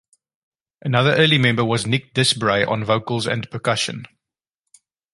Another early member was Nick Disbray on vocals and percussion.